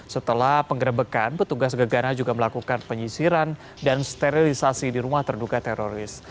setelah penggerebekan petugas gegana juga melakukan penyisiran dan sterilisasi di rumah terduga teroris